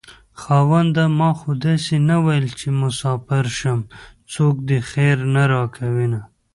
خاونده ما خو داسې نه وېل چې مساپر شم څوک دې خير نه راکوينه